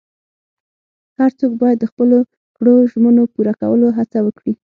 هر څوک باید د خپلو کړو ژمنو پوره کولو هڅه وکړي.